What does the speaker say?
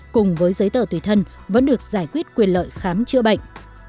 cùng với giấy tờ tùy thân vẫn được giải quyết quyền lợi khám chữa bệnh